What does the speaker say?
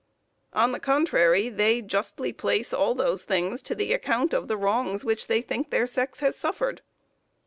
On the contrary, they justly place all those things to the account of the wrongs which they think their sex has suffered.